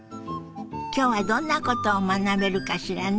今日はどんなことを学べるかしらね。